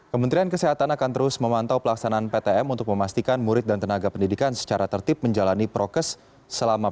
kementerian kesehatan akan terus memantau pelaksanaan ptm untuk memastikan murid dan tenaga pendidikan secara tertib menjalani prokes selama